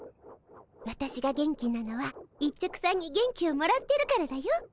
私が元気なのは一直さんに元気をもらってるからだよ。